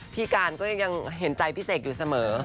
พี่การก็ยังเห็นใจพี่เสกอยู่เสมอ